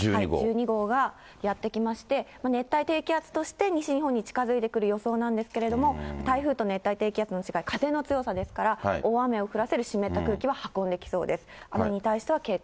１２号がやって来まして、熱帯低気圧として西日本に近づいてくる予想なんですけれども、台風と熱帯低気圧の違い、風の強さですから、大雨を降らせる湿った空気は運んできそうです。